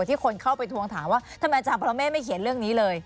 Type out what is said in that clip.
ที่คนเข้าไปทวงถามว่าทำไมอาจารย์ปรเมฆไม่เขียนเรื่องนี้เลย